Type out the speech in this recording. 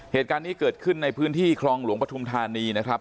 เหตุการณ์นี้เกิดขึ้นในพื้นที่คลองหลวงปฐุมธานีนะครับ